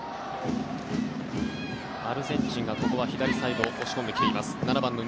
アルゼンチンが、ここは左サイド押し込んできています。